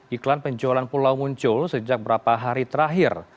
iklan penjualan pulau muncul sejak beberapa hari terakhir